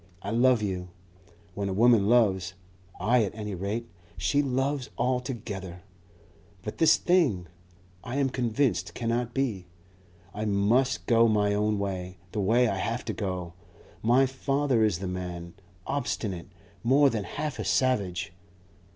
I love you When a woman loves I at any rate she loves altogether. But this thing I am convinced cannot be. I must go my own way, the way I have to go. My father is the man, obstinate, more than half a savage.